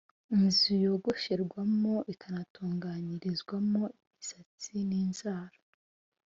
Inzu yogosherwamo ikanatunganyirizwamo imisatsi n’inzara